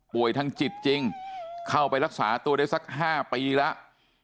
ทางจิตจริงเข้าไปรักษาตัวได้สัก๕ปีแล้ว